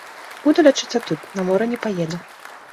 Буду лячыцца тут, на мора не паеду.